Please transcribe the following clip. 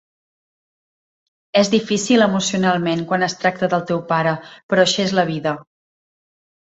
És difícil, emocionalment, quan es tracta del teu pare... però així és la vida.